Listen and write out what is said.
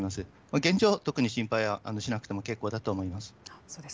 現状、特に心配はしなくても結構だと思います。